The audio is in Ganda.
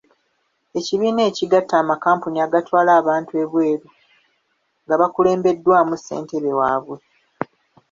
Ekibiina ekigatta amakampuni agatwala abantu ebweru nga bakulembeddwamu ssentebe waabwe.